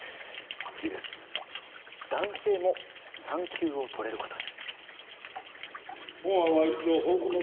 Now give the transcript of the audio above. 男性も産休を取れることに。